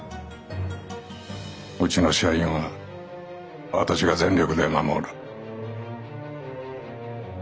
うちの社員は私が全力で守る。